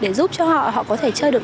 để giúp cho họ họ có thể chơi được